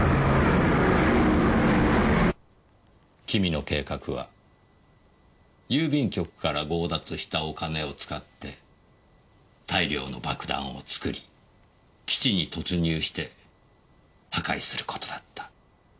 君の計画は郵便局から強奪したお金を使って大量の爆弾を作り基地に突入して破壊する事だった。